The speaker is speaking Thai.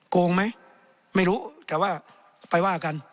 โกงไหมไม่รู้แต่ว่าไปว่ากัน